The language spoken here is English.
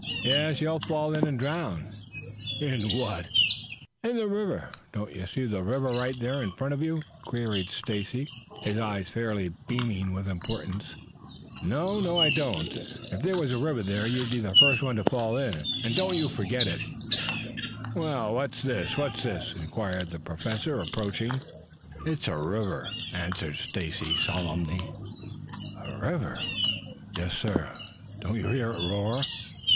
"Yes, you'll fall in and drown." "In what?" "In the river. Don't you see the river right there in front of you?" queried Stacy, his eyes fairly beaming with importance. "No, I don't. If there was a river there you'd be the first one to fall in, and don't you forget that." "What's this? What's this?" inquired the Professor, approaching. "It's a river," answered Stacy solemnly. "A river?" "Yes, sir. Don't you hear it roar?